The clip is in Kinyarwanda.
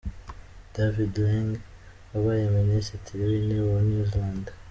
David Lange, wabaye Minisitiri w’Intebe wa New Zealand.